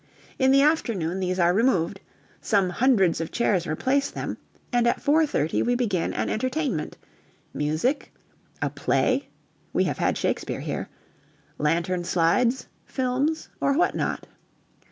In the afternoon these are removed; some hundreds of chairs replace them; and at 4.30 we begin an entertainment music, a play (we have had Shakespeare here), lantern slides, films, or what not.